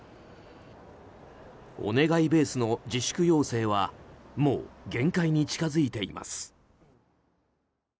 お願いベースの自粛要請はもう、限界に近づいています。